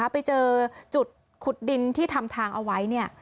ไปเจอจุดขุดดินที่ทำทางเอาไว้